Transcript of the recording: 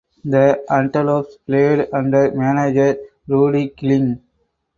The Antelopes played under manager Rudy Kling.